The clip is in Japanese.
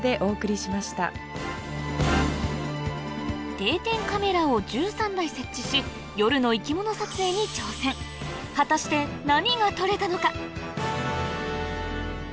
定点カメラを１３台設置し夜の生き物撮影に挑戦果たして何が撮れたのか？